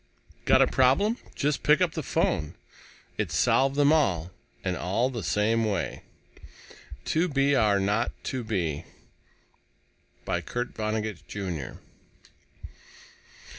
Got a problem? Just pick up the phone. It solved them all and all the same way! 2 B R 0 2 B by KURT VONNEGUT, JR.